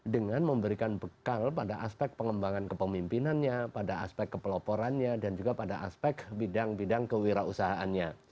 dengan memberikan bekal pada aspek pengembangan kepemimpinannya pada aspek kepeloporannya dan juga pada aspek bidang bidang kewirausahaannya